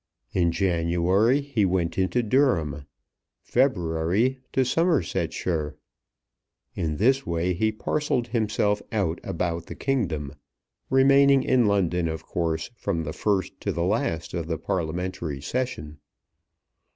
In January he went into Durham; February to Somersetshire. In this way he parcelled himself out about the kingdom, remaining in London of course from the first to the last of the Parliamentary Session.